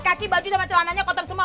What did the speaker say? kaki baju dapat celananya kotor semua